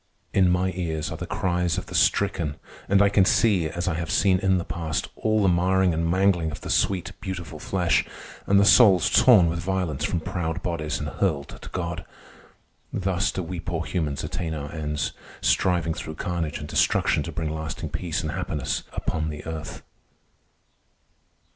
In my ears are the cries of the stricken; and I can see, as I have seen in the past, all the marring and mangling of the sweet, beautiful flesh, and the souls torn with violence from proud bodies and hurled to God. Thus do we poor humans attain our ends, striving through carnage and destruction to bring lasting peace and happiness upon the earth.